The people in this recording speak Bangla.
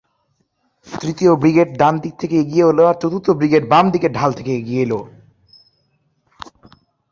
তৃতীয় ব্রিগেড ডান দিক থেকে এগিয়ে এল, আর চতুর্থ ব্রিগেড বাম দিকের ঢাল থেকে এগিয়ে এল।